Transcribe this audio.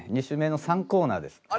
２周目の３コーナーです。